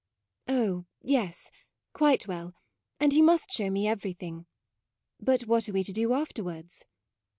"" Oh yes, quite well, and you must show me everything. But what are we to do afterwards?